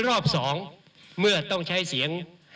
ร่อลอบสองเมื่อต้องใช้เสียง